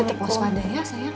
tentu ku ada ya sayang